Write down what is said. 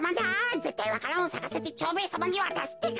ぜったいわか蘭をさかせて蝶兵衛さまにわたすってか。